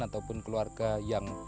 atau keluarga yang